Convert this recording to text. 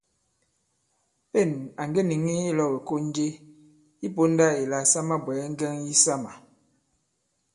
Pên à ŋge nìŋi ilɔ̄w ìkon je i pōndā ìla sa mabwɛ̀ɛ ŋgɛŋ yisamà.